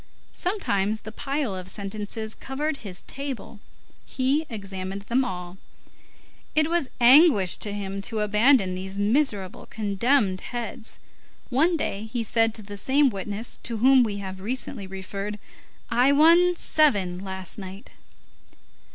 Sometimes the pile of sentences covered his table; he examined them all; it was anguish to him to abandon these miserable, condemned heads. One day, he said to the same witness to whom we have recently referred: "I won seven last night."